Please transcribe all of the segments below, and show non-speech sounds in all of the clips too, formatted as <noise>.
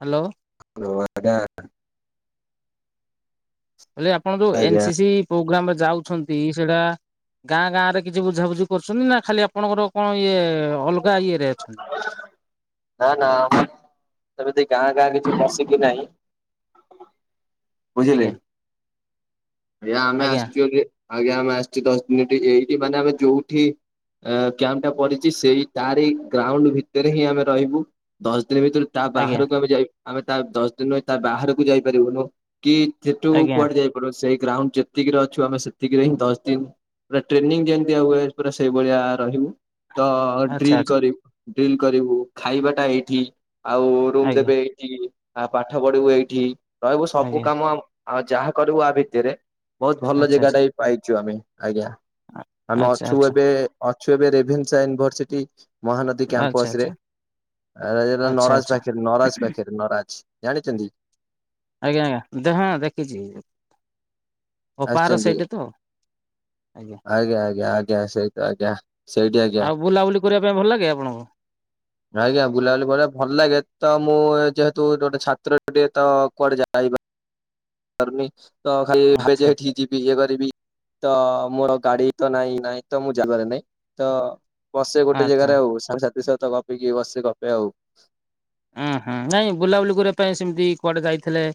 Hello ହ ଆଗା <unintelligible> <inaudible> ହେଲେ ଆପଣ ଯୋଉ ଏନ ଆଜ୍ଞା। ସ ସି ପ୍ରୋଗ୍ରାମରେ ଯାଉଛନ୍ତି ସେଇଟା ଗାଁ ଗାଁ ରେ କିଛି ବୁଝାବୁଝି କରୁଛନ୍ତି। ନା ଖାଲି ଆପଣଙ୍କର କଣ ଇଏ ଅଲଗା ଇଏ ରେ ଅଛନ୍ତି ନା ନା ଆମ ତମ ଗାଁ ଗାଁ କିଛି ବସିକି <unintelligible> <unintelligible> ବୁଝିଲେ ଆଜ୍ଞା ଆମେ ଆସିଛୁ ଆଜ୍ଞା ଆମେ ଆସିଛୁ ଦଶ ଦିନ ଏଇଠି ମାନେ ଆମେ ଯୋଉଠି ଏ କ୍ୟାମ୍ପ ଟା ପଡିଛି ସେଇ ତାର ଗ୍ରାଉଣ୍ଡ ଭିତରେ ହିଁ ଆମେ ରହିବୁ। ଦଶ ଦିନ ଭିତରେ ତା ଆଜ୍ଞା ବାହାରକୁ ଆମେ ଯାଇ ଆମେ ତା ଦଶ ଦିନ ତା ବାହାରକୁ ଯାଇପାରିବୁନୁ, କି ସେଠୁ ଆଜ୍ଞା କୁଆଡେ ଯାଇ ସେଇ ଗ୍ରାଉଣ୍ଡ ଯେତିକିରେ ଅଛୁ ଆମେ ସେତିକିରେ ହିଁ ଦଶ ଦିନ ପୁରା ଟ୍ରେନିଂ ଯେମିତି ଆ ହୁଏ, ପୁରା ସେଇଭଳିଆ ରହିବୁ। ତ ଆଚ୍ଛା ଡ୍ରିଲ ଆଚ୍ଛା କରିବୁ ଡ୍ରିଲ କରିବୁ ଖାଇବାଟା ଏଇଠି ଆଉ ରୁମ ଆଜ୍ଞା ଦେବେ ଏଇଠି ଆଉ ପାଠ ପଢିବୁ ଏଇଠି ରହିବୁ ସବୁ ଆଜ୍ଞା କାମ ଆଉ ଯାହା କରିବୁ ଆ ଭିତରେ ବହୁତ ଭଲ ଆଚ୍ଛା ଆଚ୍ଛା। ଜାଗାଟା ବି ପାଇଛୁ ଆମେ, ଆଜ୍ଞା। ଆମେ ଆଚ୍ଛା ଅଛୁ ଆଚ୍ଛା ଏବେ ଅଛୁ ଏବେ ରେଭେନ୍ସା ୟୁନିଭରସିଟି। ମହାନଦୀ ଆଚ୍ଛା ଆଚ୍ଛା କ୍ୟାମ୍ପସ ରେ, ଆଚ୍ଛା ନଜ ଆଚ୍ଛା ପାଖେରେ ନରାଜ ପାଖରେ ନରାଜ ଜାଣିଛନ୍ତି? ଆଜ୍ଞା ଆଜ୍ଞା ଦେ ହଁ ଦେଖିଛି ଅପାର ଆସିଛନ୍ତି ସେଇଟ ତ। ଆଜ୍ଞା ଆଜ୍ଞା ଆଜ୍ଞା ସେଇ ଆଜ୍ଞା ସେଇଠି ଆଜ୍ଞା। ଆଉ ବୁଲାବୁଲି କରିବା ପାଇଁ ଭଲ ଲାଗେ ଆପଣଙ୍କୁ? ଆଜ୍ଞା ବୁଲାବୁଲି ଭ ଭଲ ଲାଗେ। ତ ମୁଁ ଯେହେତୁ ଗୋଟେ ଛାତ୍ର ଟିକେ ତ କୁଆଡେ ାରୁି ତ ଖାଲି ଆଚ୍ଛା ଏଠି ଯିବି ଇଏ କରିବି <unintelligible> ତ ମୋର ଗାଡି ତ ନାଇଁ ନାଇଁ ତ ମୁଁ ଯାଗାରେ ନାାଇଁ ତ <unintelligible> ବସେ ଗୋଟେ ଆଚ୍ଛା। ଜାଗାରେ ଆଉ ସାଙ୍ଗ ସାଥିଶହ ତ ଗପିକି ବସେ ଗପେ ଆଉ ଉଁ ହୁଁ ନାଇଁ ବୁଲାବୁଲି କରିବା ପାଇଁ ସେମିତି କୁଆଡେ ଯାଇଥିଲେ?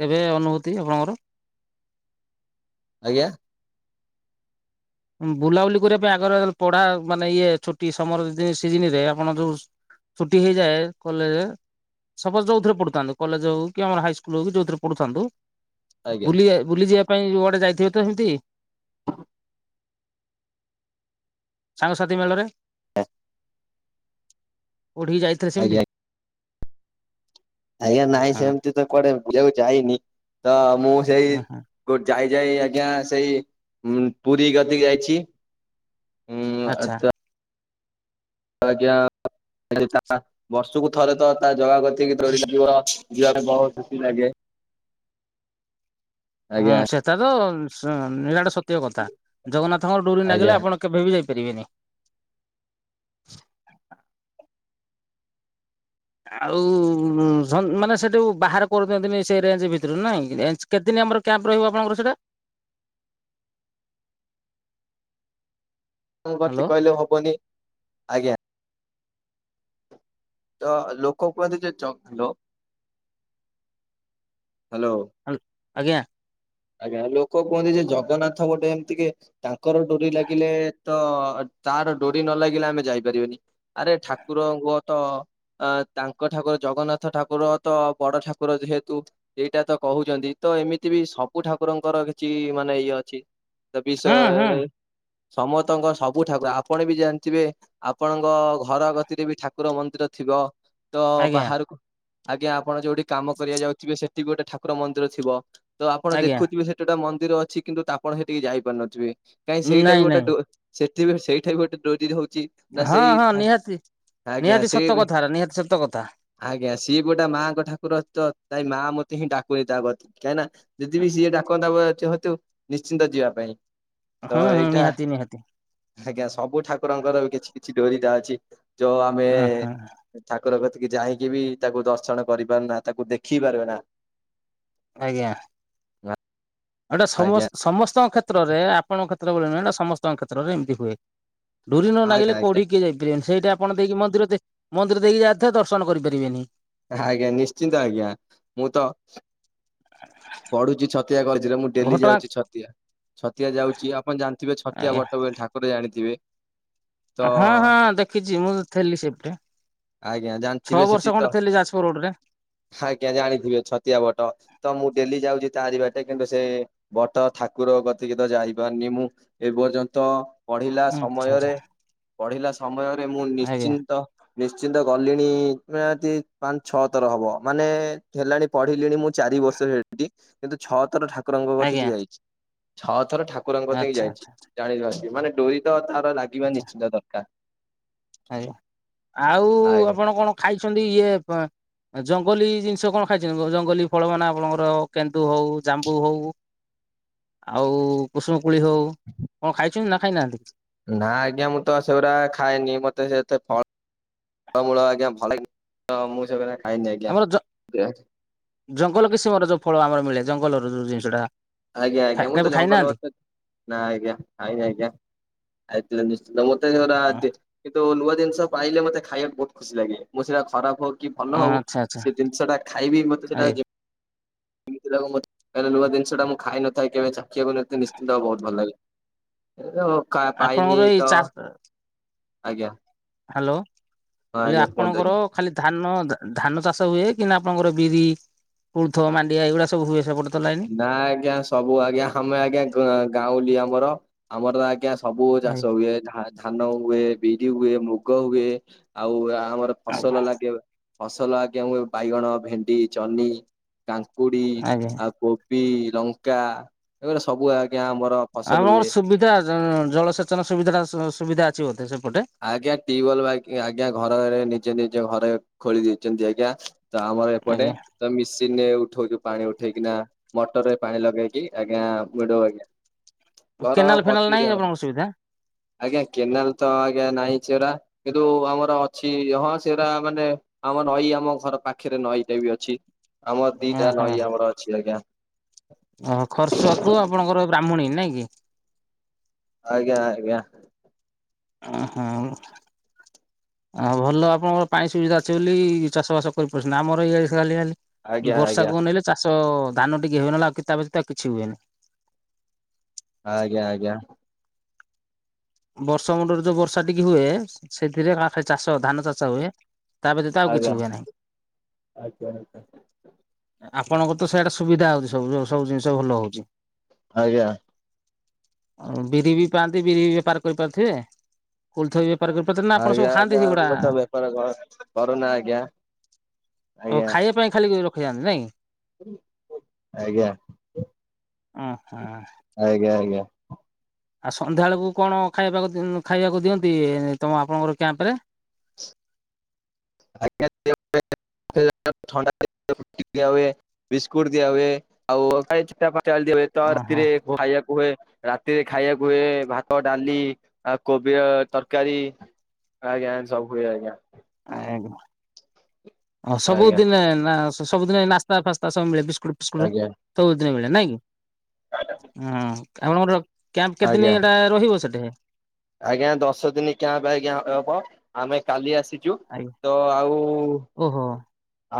କେବେ ଅନୁଭୂତି ଆପଣଙ୍କର। ଆଜ୍ଞା। ବୁଲାବୁଲି କରିବା ପାଇଁ ଆଗରେ ପଢା ମାନେ ଇଏ ଛୁଟି ସମର ସିଜିନରେ ଆପଣ ଯୋଉ ଛୁଟି ହେଇଯାଏ କଲେଜ। ସପୋଜ ଯଉଥିରେ ପଢୁଥାନ୍ତୁ। କଲେଜ ହଉ କି ଆମର ହାଇସ୍କୁଲ ହଉ କି ଯଉଥିରେ ପଢୁଥାନ୍ତୁ? ଆଜ୍ଞା। ବୁଲି ବୁଲି ଯିବା ପାଇଁ କୁଆଡେ ଯାଇଥିବେ ତ ସେମିତି। ହଁ। ସାଙ୍ଗସାଥି ମେଳରେ। ହଁ। କୋଉଠିକି ଯାଇଥିଲେ ସେମିତି। ଆଜ୍ଞା ଆଜ୍ଞା ହଁ ନାଇଁ ସେମତି ତ କୁଆଡେ ବୁଝିବାକୁ ଯାଇନି। ତ ମୁଁ ସେଇ ହ ହଁ ଗୋ ଯାଇ ଯାଇ ଆଜ୍ଞା ସେଇ ପୁରୀ ଗତିକି ଯାଇଛି। ଉଁ ଆଚ୍ଛା। ଆଜ୍ଞା <unintelligible> ବର୍ଷକୁ ଥରେ ତ ତା ଜଗା କତିକି ତା ଡୋରି ଲାଗିବ। ଯିବା ପାଇଁ ବହୁତ ଖୁସି ଲାଗେ। ହଁ ଆଜ୍ଞା ସେତା ତ ନିରାଟ ସତ୍ୟ କଥା। ଜଗନ୍ନାଥଙ୍କର ଡୋରି ଆଜ୍ଞା ନାଗିଲେ ଆପଣ କେବେବି ଯାଇପାରିବେନି। ଆଉ ମାନେ ସେଠୁ ବାହାର କରୁ ଦିଅନ୍ତିନି ସେ ରେଞ୍ଜ ଭିତରେ ନାଇଁ। କେତଦିନ ଆମର କ୍ୟାମ୍ପ ରହିବ ଆପଣଙ୍କର ସେଟା? କଣ କରତି ହ୍ୟାଲୋ କହିଲେ ହବନି ଆଜ୍ଞା। ତ ଲୋକ କୁହନ୍ତି ଯେ ଜ ଜ ହ୍ୟାଲୋ। ଆଜ୍ଞା। ଆଜ୍ଞା ଲୋକ କୁହନ୍ତି ଯେ ଜଗନ୍ନାଥ ଗୋଟେ ଏମିତିକି ତାଙ୍କର ଡୋରି ଲାଗିଲେ ତ ତାର ଡୋରି ନ ଲାଗିଲେ ଆମେ ଯାଇପାରିବାନି। ଆରେ ଠାକୁରଙ୍କ ତ ଅ ତାଙ୍କ ଠାକୁର ଜଗନ୍ନାଥ ଠାକୁର ତ ବଡ ଠାକୁର ଯେହେତୁ। ଏଇଟା ତ କହୁଛନ୍ତି ତ ଏମିତି ବିସ୍ ସବୁ ଠାକୁରଙ୍କର କିଛି ମାନେ ଇଏ ଅଛି। ହୁଁ ହୁଁ ବିଷୟରେ ସମସ୍ତଙ୍କ ସବୁ ଠାକୁର ଆପଣ ବି ଜାଣିଥିବେ। ଆପଣଙ୍କ ଘର ଗତିରେ ବି ଠାକୁର ମନ୍ଦିର ଥିବ। ତ ଆଜ୍ଞା ବାହାରକୁ ଆଜ୍ଞା ଆପଣ ଯୋଉଠି କାମ କରିବା ଯାଉଥିବେ ସେଠି ଗୋଟେ ଠାକୁର ମନ୍ଦିର ଥିବ। ତ ଆପଣ ଆଜ୍ଞା ଦେଖୁଥିବେ ସେଠି ଗୋଟେ ମନ୍ଦିର ଅଛି। କିନ୍ତୁ ଆପଣ ସେଠିକି ଯାଇପାରୁନଥିବେ। କାହିଁ ସେଇଟା ବି ନାଇଁ ଗୋଟେ ନାଇଁ ଡୋ ସେଠିବି ସେଇଠା ବି ଗୋଟେ ଡୋରି ହଉଛି। ନା ହଁ ସେଇ ହଁ ଠା ନିହାତି ଆଜ୍ଞା ନିହାତି ସେଇ ସତ ବି କଥା ନିହାତି ସତ କଥା। ଆଜ୍ଞା ସିଏ ବି ଗୋଟ ମାଙ୍କ ଠାକୁର ଅଛି। ତାଇ ମା ମତେ ହିଁ ଡାକୁନି ତା କତିକି। କାହିଁକି ନା ଯଦି ବିି ସିଏ ଡାକନ୍ତା ହେତୁ ନିଶ୍ଚିନ୍ତ ଯିବା ପାଇଁ। ତ ହୁଁ ହୁଁ ଏଇଟା ନିହାତି ନିହାତି ଆଜ୍ଞା ସବୁ ଠାକୁରଙ୍କର କିଛି କିଛି ଡୋରିଟା ଅଛି। ଯୋଉ ଆମେ ଉଁ ହୁଁ ଠାକୁର କତିକି ଯାଇକି ବି ତାକୁ ଦର୍ଶନ କରିପାରୁ ନା ତାକୁ ଦେଖି ପାର ନା। ଆଜ୍ଞା। ନାଁ। ଏଇଟା ସମ ସମସ୍ତଙ୍କ କ୍ଷେତ୍ରରେ ଆପଙ୍କ କ୍ଷେତ୍ର ବୋଲି ନୁହଁ। ଏଇଟା ସମସ୍ତଙ୍କ କ୍ଷେତ୍ରରେ ଏମିତି ହୁଏ। ଡୁରି ନ ନାଗିଲେ ଆଜ୍ଞା କୋଉଠିକି କିଏ ଯାଇପାରିବେନି। ସେଇଟା ଆପଣ ଦେଇକି ମନ୍ଦିର ମନ୍ଦିର ଦେଇକି ଯାଇଥିବେ ଦର୍ଶନ କରିପାରିବେନି। ଆଜ୍ଞା ନିଶ୍ଚିନ୍ତ ଆଜ୍ଞା ମୁଁ ତ ପଢୁଛି। ଛ ଛତିଆ କରିଥିଲେ ମୁଁ ଡେଲି ଘଟଗାଁ ଯାଉଛି ଛତିଆ। ଛତିଆ ଯାଉଛି ଆପଣ ଜାଣିଥିବେ ଛତିଆ ଆଜ୍ଞା ବଟ ବୋଲି ଠାକୁ କୁରେ ଜାଣିଥିବେ। ତ ହଁ ହଁ ଦେଖିଛି ମୁଁ ଥେଲି ସେଠି। ଆଜ୍ଞା ଛଅ ଜାଣିଥିବେ ସେଠି ବର୍ଷ ତ ଖଣ୍ଡେ ଥିଲି ଯାଜପୁର ରୋଡରେ। ଆଜ୍ଞା ଜାଣିଥିବେ ଛତିଆ ବଟ। ତ ମୁଁ ଡେଲି ଯାଉଚି ତାରି ବାଟେ କିନ୍ତୁ ସେ ବଟ ଠାକୁର କତିକିି ତ ଯାଇପାରୁନି ମୁଁ। ଏ ପର୍ଯ୍ୟନ୍ତ ପଢିଲା ଆଚ୍ଛା ଆଚ୍ଛା ସମୟରେ ପଢିଲା ସମୟରେ ମୁଁ ଆଜ୍ଞା ନିଶ୍ଚିନ୍ତ ନିଶ୍ଚିନ୍ତ ଗଲିଣି ନିହାତି ପାନ ଛଅ ଥର ହବ ମାନେ ହେଲାଣି ପଢିଲିଣି ମୁଁ ଚାରି ବର୍ଷ ହେଟି କିନ୍ତୁ ଛଅ ଥର ଠା କୁରଙ୍କ ଆଜ୍ଞା କତିକି ଯାଇଛି। ଛଅ ଥର ଠାକୁରଙ୍କ କତିକି ଆଚ୍ଛା ଯାଇଛି। ଆଚ୍ଛା ଜାଣିବା ଆସି ମାନେ ଡୋରି ତ ତାର ଲାଗିବା ଆଚ୍ଛା ନିଶ୍ଚିନ୍ତ ଦରକାର। ଆଜ୍ଞା ଆଉ ଆଜ୍ଞା ଆପଣ କଣ ଖାଇଛନ୍ତି ଇଏ ପେଁ ଏ ଜଙ୍ଗଲୀ ଜିନିଷ କଣ ଖାଇଛନ୍ତି? ଜଙ୍ଗଲୀ ଫଳ ମାନେ ଆପଣଙ୍କର କେନ୍ଦୁ ହଉ ଜାମ୍ବୁ ହଉ ଆଉ କୁସୁମୁ କୋଳି ହଉ କଣ ଖାଇଛନ୍ତି ନା ଖାଇନାହାନ୍ତି? ନା ଆଜ୍ଞା ମୁଁ ତ ସେଗୁଡା ଖାଏନି। ମୋତେ ସେ ଏତେ ଫ ଫଳ ମୂଳ ଆଜ୍ଞା ଭଲ ତ ମୁଁ ସେଗୁରା ଖାଇନି ଆଜ୍ଞା। ଆମର ଜ <unintelligible> ଜଙ୍ଗଲ କିସମର ଯୋଉ ଫଳ ଆମର ମିଳେ ଜଙ୍ଗଲରୁ ଯୋଉ ଜିନିଷଟା। ଆଜ୍ଞା ଆଜ୍ଞା ମୁଁ ତ କେବେ ଜଙ୍ଗଲ ଖାଇନାହାନ୍ତି ଏତେ ନା ଆଜ୍ଞା, ଆଜ୍ଞା, ଆଜ୍ଞା। ଆଇଥିଲେ ନିଶ୍ଚିତ ମୋତେ ସେଉରା ଏତେ କିନ୍ତୁ ନୂଆ ଜିନିଷ ପାଇଲେ ମୋତେ ଖାଇବାକୁ ବହୁତ ଖୁସି ଲାଗେ। ମୁଁ ସେଇଆ ଖରାପ ହଉ କି ଭଲ ହଉ ଆଚ୍ଛା ଆଚ୍ଛା ସେ ଜିନିଷ ଟା ଖାଇବି ମୋତେ ସେଟା ଆଜ୍ଞା ଯେ ଯେମତି ଲାଗୁ ମୋତେ ଏଟା ନୂଆ ଜିନିଷଟା ମୁଁ ଖାଇନଥାଏ କେବେ ଚାଖିିବାକୁ ନଥି ନିଶ୍ଚିନ୍ତ ଆଉ ବହୁତ ଭଲ ଲାଗେ। <unintelligible> କା ପାଇନି ଆପଣଙ୍କର ଏଇ ତ ଚା ଆଜ୍ଞା। ହାଲୋ, ହଁ ହେଲେ ଆଜ୍ଞା କୁହନ୍ତୁ ଆଜ୍ଞା। ଆପଣଙ୍କର ଖାଲି ଧାନ ଦା- ଧାନ ଚାଷ ହୁଏ କି ନା ଆପଣଙ୍କର ବିରି କୁଳୁଥ, ମାଣ୍ଡିଆ ଏଗୁଡ଼ାକ ସବୁ ହୁଏ ସେପଟ ତ ନାଇ ନା ଆଜ୍ଞା ସବୁ ଆଜ୍ଞା ଆମେ ଆଜ୍ଞା ଗ-ଗାଉଁଲି ଆମର ଆମର ତ ଆଜ୍ଞା ସ ସବୁ ଚାଷ ଆଜ୍ଞା ହୁଏ ଧା-ଧାନ ହୁଏ, ବିରି ହୁଏ, ମୁଗ ହୁଏ, ଆଉ ଆ, ଆମର ଫସଲ ଲାଗେ ଫସଲ ଆଜ୍ଞା ହୁଏ ବାଇଗଣ, ଭେଣ୍ଡି, ଜହ୍ନି, କାଙ୍କୁଡି ଆଜ୍ଞା ଆଉ କୋବି, ଲଙ୍କା ଏଗୁରା ସବୁ ଆଜ୍ଞା ଆମର ଫସଲ ହୁଏ। ଆପଣଙ୍କର ସୁବିଧା ଜ-ଜଳସେଚନ ସୁବିଧା ଟା ସୁ-ସୁବିଧା ଅଛି ବୋଧେ ସେପଟେ? ଆଜ୍ଞା ଟିୱଲ୍ ଆ, ଆଜ୍ଞା ଘରରେ ନିଜେ ନିଜ ଘରେ ଖୋଳି ଦେଇଛନ୍ତି ଆଜ୍ଞା। ତ ଆମର ଏପଟେ ଆଜ୍ଞା। ତ ମିସିନ ରେ ଉଠଉଚୁ ପାଣି ଉଠେଇକିନା ମଟର ରେ ପାଣି ଲଗେଇକି ଆଜ୍ଞା ମିଡୁ ଆଜ୍ଞା। ଘର କେନାଲ ଫେନାଲ ନାହିଁ କତିରେ ଆପଣଙ୍କର ସୁବିଧା ଆଜ୍ଞା କେନାଲ୍ ତ ଆ ଆଜ୍ଞା ନାଇଁ ସେରା କିନ୍ତୁ ଆମର ଅଛି। ହଁ ସେଟା ମାନେ ଆମ ନଈ ଆମ ଘର ପାଖରେ ନଈଟା ବି ଅଛି। ଆମର ଦିଟା ଓହୋ ନଈ ଆମର ଅଛି ଆଜ୍ଞା। ଓହୋ, ଖରସୁଆକୁ ଆପଣଙ୍କର ବ୍ରାହ୍ମଣୀ ନାଇଁ କି? ଆଜ୍ଞା, ଆଜ୍ଞା। ଅଁ, ହଁ। ହଁ ଭଲ ଆପଣଙ୍କର ପାଣି ସୁବିଧା ଅଛି ବୋଲି ଚାଷ ବାସ କରିପାରୁଛନ୍ତି, ଆମର ଇଆଡେ ଖାଲି ଖାଲି ଆଜ୍ଞା ଆଜ୍ଞା। ବର୍ଷାକୁ ଅନେଇଲେ ଚାଷ ଧାନ ଟିକେ ହୁଏ। ନହେଲେ ଆଉ କି ତା ବ୍ୟତୀତ ଆଉ କିଛି ହୁଏନି। ଆଜ୍ଞା, ଆଜ୍ଞା। ବର୍ଷ ମୁଣ୍ଡରେ ଯୋଉ ବର୍ଷା ଟିକେ ହୁଏ, ସେଥିରେ ଆ, ଖାଲି ଚାଷ ଧାନ ଚାଷ ହୁଏ। ତା ବ୍ୟତୀତ ଆଉ କିଛି ଆଜ୍ଞା ହୁଏ ନାହିଁ। ଆପଣଙ୍କର ତ ସିଆଡେ ସୁବିଧା ହଉଚି ସବୁର ସବୁ ଜିନିଷ ଭଲ ହଉଚି। ଆଜ୍ଞା। ଆଉ ବିରି ବି ପାଆନ୍ତି, ବିରି ବି ବେପାର କରିପାରୁଥିବେ। କୋଳଥ ବେ ଆଜ୍ଞା, ଆଜ୍ଞା ଆମେ ତ ବେପାର କର କରୁନା ଆଜ୍ଞା। ଓ ଆଜ୍ଞା ଖାଇବା ପାଇଁ ଖାଲି ରଖିଥାଆନ୍ତି ନାଇଁ? ଆଜ୍ଞା। ଆଚ୍ଛା। ଆଜ୍ଞା, ଆଜ୍ଞା। ଆଉ ସନ୍ଧ୍ୟା ବେଳକୁ କଣ ଖାଇବାକୁ ଖାଇଆକୁ ଦିଅନ୍ତି ତମ ଆପଣଙ୍କର କ୍ୟାମ୍ପ ରେ। <unintelligible> ଦିଆ ହଏ ବିସ୍କୁଟ ଦିଆ ହୁଏ। <unintelligible> ଖାଇବାକୁ ଓହୋ ହୁଏ ରାତିରେ ଖାଇବାକୁ ହୁଏ ଭାତ ଡାଲି। ଆଉ କୋବି ଆ ତରକାରୀ ଆଜ୍ଞା ଏଁତି ସବୁ ହୁଏ ଆଜ୍ଞା। ଏହାକୁ ଆଉ ଆଜ୍ଞା ସବୁଦିନେ ସବୁଦିନେ ନାସ୍ ସ୍ତା ଫାସ୍ତା ସବୁ ମିଳେ ସବୁ ବିସ୍କୁଟୁ ପିସ୍କୁଟ୍। ଆଜ୍ଞା ସବୁ ଦିନେ ମିଳେ ନାଇଁ କି ଉଁ ଆପଣଙ୍କର କ୍ୟାମ୍ପ କେତେ ଦିନ ଆଜ୍ଞା ଏଟା। ରହିବ ସେଠେ। ଆଜ୍ଞା ଦଶ ଦିନ କ୍ୟାମ୍ପ ଆଜ୍ଞା ହେବ ଆମେ କାଲି ଆସିଛୁ ଆଜ୍ଞା। ତ ଆଉ। ଓହୋ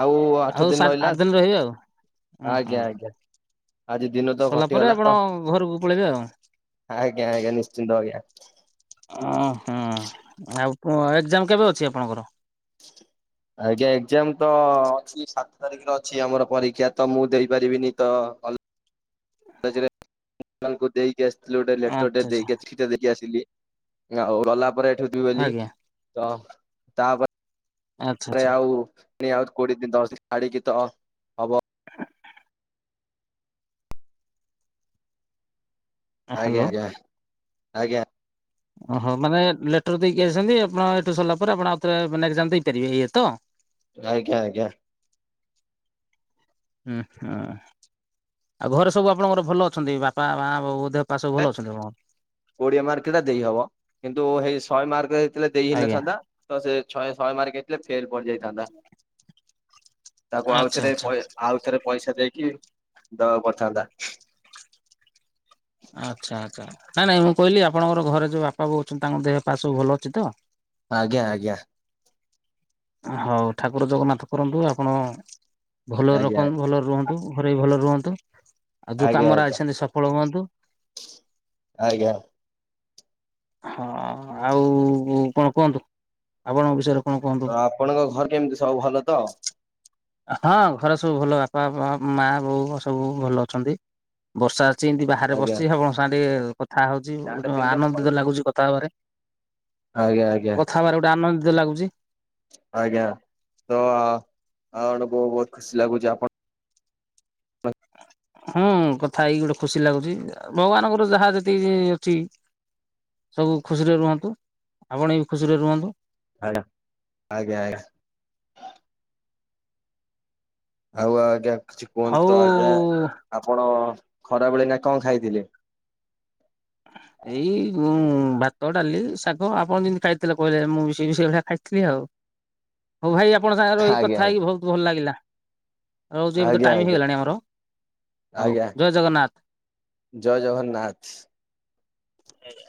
ଆଉ ଆଠ ଆଉ ଦିନ ସାତ ରହିଲା ଆଠ ଦିନ ରହିବେ ଆଉ ଉଁ ହୁଁ। ଆଜ୍ଞା ଆଜ୍ଞା ଆଜି ଦିନ ତ ସରିଲା ପରେ ଘଟିଗଲା ତ ଆପଣ ଘରକୁ ପଳେଇବେ ଆଉ‌। ଆଜ୍ଞା ଆଜ୍ଞା ନିଶ୍ଚିନ୍ତ ଆଜ୍ଞା। ଓ ହଁ ଆଉ ପୁ ଏକ୍ଜାମ କେବେ ଅଛି ଆପଣଙ୍କର? ଆଜ୍ଞା ଏକ୍ଜାମ ତ ଅଛି ସାତ ତାରିଖରେ ଅଛି, ଆମର ପରୀକ୍ଷା ତ ମୁଁ ଦେଇପାରିବିନି ତ। କଲେଜ ରେ ତାଙ୍କୁ ଦେଇକି ଆସିଥିଲି, ଗୋଟେ ଲେଟରେ ଆଚ୍ଛା ଆଚ୍ଛା ଦେଇକି ଆଇଛି। ଦେଇ ଦେଇକି ଆସିଲି ଆଉ ଗଲା ପରେ, ଏଠୁ ଯିବି ବୋଲି ଆଜ୍ଞା ତ ତାପରେ। ଆଚ୍ଛା ପରେ ଆଚ୍ଛା। ଆଉ ପୁଣି ଆଉ କୋଡିିଏ ଦିନ ଛାଡିକିତ। <inaudible> ଆଜ୍ଞା ହ୍ୟାଲୋ ଆଜ୍ଞା ଆଜ୍ଞା। ଓହୋ ମାନେ ଲେଟର ଦେଇକି ଆସିଛନ୍ତି, ଆପଣ ଏଠୁ ସରିଲା ପରେ ଆପଣ ଆଉଥରେ ମାନେ ଏକ୍ସାମ ଦେଇପାରିବେ ଏୟା ତ। ଆଜ୍ଞା ଆଜ୍ଞା। ହୁଁ ହୁଁ ଆଉ ଘରେ ସବୁ ଆପଣଙ୍କର ଭଲ ଅଛନ୍ତି ବାପା, ମା, ବୋଉ ଦେହ। ପା ସବୁ ଭଲ ଅଛନ୍ତି ମ। କୋଡିଏ ମାର୍କଟା ଦେଇହବ କିନ୍ତୁ ହେଇ ଶହେ ମାର୍କ ହେଇଥିଲା ଦେଇ ଆଜ୍ଞା। ହେଇନଥାନ୍ତା। ତ ସେ ଛହେ ଶହେ ମାର୍କ ହେଇଥିଲେ ଫେଲ ପଡିଯାଇଥାନ୍ତା। ତାକୁ ଆଉ ଆଚ୍ଛା ଥରେ ଆଚ୍ଛା। ପଏ ଆଉ ଥରେ ପଏସା ଦେଇକି ଦବାକୁ ‌ପଡିଥାନ୍ତା। ଆଚ୍ଛା ଆଚ୍ଛା ନାଇଁ ନାଇଁ, ମୁଁ କହିଲି ଆପଣଙ୍କର ଘରେ ଯୋଉ ବାପା, ବୋଉ ଅଛନ୍ତି ତାଙ୍କ ଦେହ ପା ସବୁ ଭଲ ଅଛି ତ? ଆଜ୍ଞା ଆଜ୍ଞା।। ହଉ ଠାକୁର ଜଗନ୍ନାଥ କରନ୍ତୁ, ଆପଣ ଭଲ ଆଜ୍ଞା ରଖନ୍ତୁ, ଭଲରେ ରୁହନ୍ତୁ। ଘରେ ବି ଭଲ ରୁହନ୍ତୁ, ଆଉ ଯୋଉ ଆଜ୍ଞା କାମରେ ଆଇଛନ୍ତି ସଫଳ ହୁଅନ୍ତୁ। ଆଜ୍ଞା। ହଁ ଆଉ କଣ କୁହନ୍ତୁ ଆପଣଙ୍କ ବିଷୟରେ? କଣ କୁହନ୍ତୁ? ଆପଣଙ୍କ ଘରେ କେମିତି ସବୁ ଭଲ ତ? ହଁ ଘରେ ସବୁ ଭଲ, ବାପା, ଆଉ ମା, ବୋଉ ସବୁ ଭଲ ଅଛନ୍ତି। ବର୍ଷା ଆସିଛି ଏମିତି ବାହାରେ ଆଜ୍ଞା ବସିଛି ଆପଣଙ୍କ ସାଙ୍ଗେ ଟିକେ କଥା ହଉଛି ଗୋଟେ ଆଜ୍ଞା ଆନନ୍ଦ। ଲାଗୁଛି କଥା ହେବରେ। ଆଜ୍ଞା ଆଜ୍ଞା। କଥାହବାରେ ଗୋଟେ ଆନନ୍ଦିତ ଲାଗୁଛି। ଆଜ୍ଞା ତ ଆପଣ କୁ ବହୁତ ଖୁସି ଲାଗୁଛି ଆପଣ। ହଁ କଥା ଏଇକି ଗୋଟେ ଖୁସି ଲାଗୁଛି ଭଗବାନଙ୍କର ଯାହା ଯେତିକି ଅଛି। ସବୁ ଖୁସିରେ ରୁହନ୍ତୁ ଆପଣ‌ ବି ଖୁସିରେ ରୁହନ୍ତୁ। ଆଜ୍ଞା ଆଜ୍ଞା ଆଜ୍ଞା। ଆଉ ଆଜ୍ଞା କିଛି ହଉ କୁହନ୍ତୁ ତ ଆଜ୍ଞା ଆପଣ ଖରାବେଳେ ଏଇନା କଣ ଖାଇଥିଲେ। ଏଇ ଉଁ ଭାତ ଡାଲି ଶାଗ ଆପଣ ଯେମିତି ଖାଇଥିଲେ କହିଲେ ମୁଁ ବି ସେଇ ସେଇ ଭଳିଆ ଖାଇଥିଲି ଆଉ। ହଉ ଭାଇ ଆପଣଙ୍କ ସାଙ୍ଗରେ ଏଇ କଥା ଆଜ୍ଞା ହେଇକି ଆଜ୍ଞା ବହୁତ ଭଲ ଲାଗିଲା। ରହୁଛି ଏବେ ତ ଆଜ୍ଞା ଟାଇମ ଆଜ୍ଞା ହେଇଗଲାଣି ଆମର ହଉ ଆଜ୍ଞା ଜୟ ଜଗନ୍ନାଥ। ଜୟ ଜଗନ୍ନାଥ। ଆଜ୍ଞା।